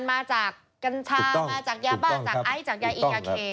มาจากกัญชามาจากยาบ้าจากไอซ์จากยาอียาเค